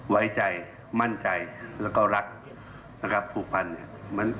ไว้ใจมั่นใจแล้วก็รักนะครับผูกพัน